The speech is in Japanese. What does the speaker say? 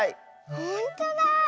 ほんとだあ。